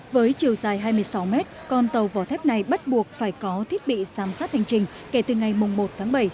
với chiều dài hai mươi sáu mét con tàu vỏ thép này bắt buộc phải có thiết bị giám sát hành trình kể từ ngày một tháng bảy